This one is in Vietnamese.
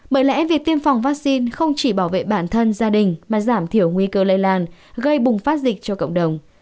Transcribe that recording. bởi lẽ việc tiêm phòng vaccine không chỉ bảo vệ bản thân gia đình mà giảm thiểu nguy cơ lây lan gây bùng phát dịch cho cộng đồng